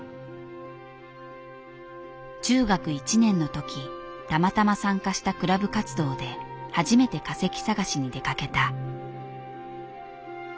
中学１年の時たまたま参加したクラブ活動で初めて化石探しに出かけた。